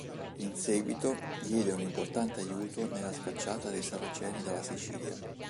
In seguito diede un importante aiuto nella scacciata dei saraceni dalla Sicilia.